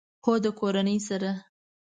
هو، د کورنۍ سره